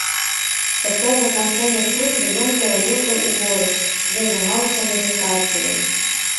Пасля заканчэння службы ён пераехаў у горы, дзе займаўся медытацыяй.